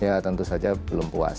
ya tentu saja belum puas